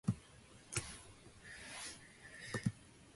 Andriscus' brief reign over Macedonia was marked by cruelty and extortion.